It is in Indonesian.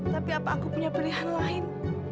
tapi apa aku punya pilihan lain